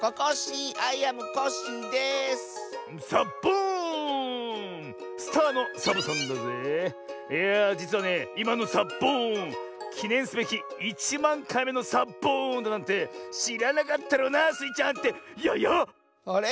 いやあじつはねいまのサッボーンきねんすべき１まんかいめのサッボーンだなんてしらなかったろうなスイちゃんってややっ⁉あれ？